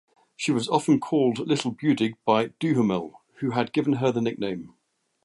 She was often called "Little Budig" by Duhamel, who had given her the nickname.